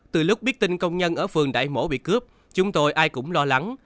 từ lúc biết tin công nhân ở phường đại mỗ bị cướp chúng tôi ai cũng lo lắng